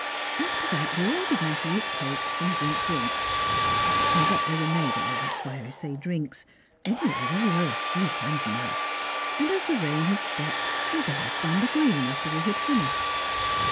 After that, we all began to eat cakes and drink drinks (I don't know what they were made of, that is why I say "drinks," anyway they were sweet and nice), and as the rain had stopped we danced on the green, after we had finished.